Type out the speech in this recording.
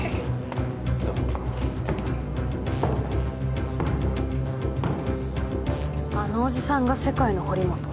どうぞあのおじさんが世界の堀本？